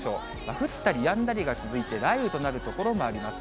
降ったりやんだりが続いて、雷雨となる所もあります。